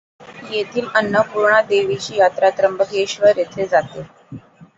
येथील अन्नपूर्णा देवीची यात्रा त्र्यंबकेश्वर येथे जाते.